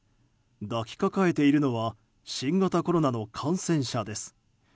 抱きかかえているのは新型コロナの感染者です。